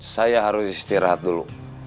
saya harus istirahat dulu